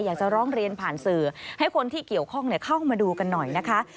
อยากจะร้องเรียนผ่านสื่อให้คนที่เกี่ยวข้องเข้ามาดูกันหน่อยนะคะ